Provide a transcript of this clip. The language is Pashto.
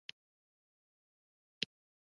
څنګه کولی شم د ماشومانو د خوب وخت تنظیم کړم